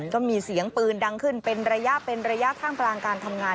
ก็มีเสียงปืนดังขึ้นเป็นระยะทางพลังการทำงาน